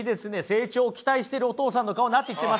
成長を期待しているお父さんの顔なってきてますよ！